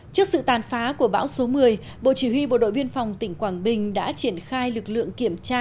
trước sự tàn phá của bão số một mươi bộ chỉ huy bộ đội biên phòng tỉnh quảng bình đã triển khai lực lượng kiểm tra